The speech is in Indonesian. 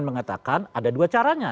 mengatakan ada dua caranya